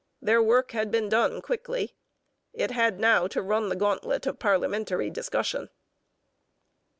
Their work had been done quickly. It had now to run the gauntlet of parliamentary discussion.